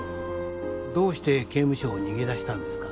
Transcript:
どうして刑務所を逃げ出したんですか？